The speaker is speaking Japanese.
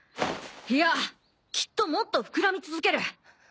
いやきっともっと膨らみ続ける。